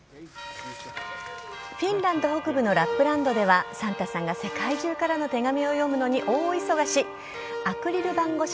フィンランド北部のラップランドではサンタさんが世界中からの手紙を読むのに大忙し。